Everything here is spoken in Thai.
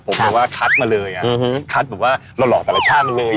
ผมคิดว่าคัดมาเลยอ่ะคัดแบบว่าหล่อแต่ละช่างเลยอ่ะ